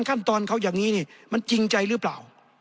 กันเขาหรือเปล่า